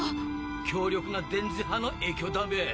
強力な電磁波の影響だべ。